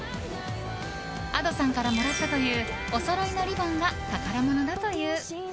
Ａｄｏさんからもらったというおそろいのリボンが宝物だという。